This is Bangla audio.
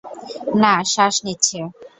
না, শ্বাস নিচ্ছে।